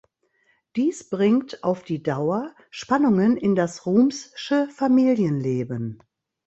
Dies bringt auf die Dauer Spannungen in das Rums‘sche Familienleben.